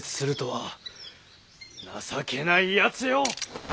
情けないやつよ！